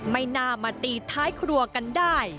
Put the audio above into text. ไม่น่ามาตีท้ายครัวกันได้